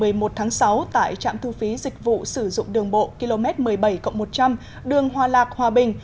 ngày một mươi một tháng sáu tại trạm thu phí dịch vụ sử dụng đường bộ km một mươi bảy một trăm linh đường hòa lạc hòa bình